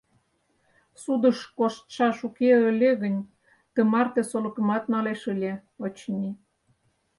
Судыш коштшаш уке ыле гын, тымарте солыкымат налеш ыле, очыни.